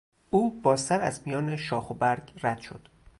او با سر از میان شاخ و برگ رد شد.